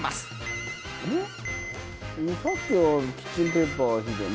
さっきキッチンペーパーだよね？